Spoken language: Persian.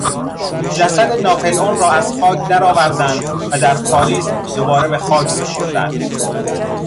جسد ناپلئونرا از خاک درآوردند و در پاریس دوباره به خاک سپردند.